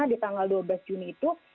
di tanggal dua belas juni itu